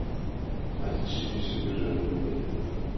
А икшыве шыргыжале веле: